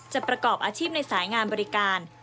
ประกอบอาชีพในสายงานบริการ